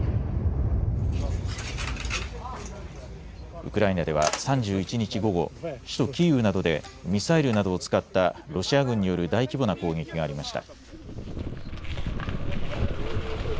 ウクライナでは３１日午後、首都キーウなどでミサイルなどを使ったロシア軍による大規模な攻撃がありました。